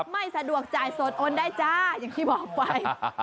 ไม่สะดวกจ่ายสดโอนได้จ้าอย่างที่บอกไป